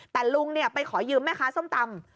แต่ลุงไปขอยืมแม่ค้าส้มตำ